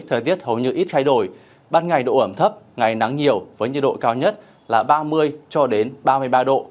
thời tiết hầu như ít thay đổi ban ngày độ ẩm thấp ngày nắng nhiều với nhiệt độ cao nhất là ba mươi cho đến ba mươi ba độ